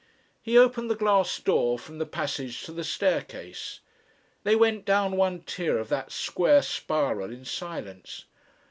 He opened the glass door from the passage to the staircase. They went down one tier of that square spiral in silence.